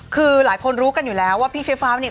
คือหลายคนรู้กันอยู่แล้วว่าพี่เฟียฟ้าเนี่ย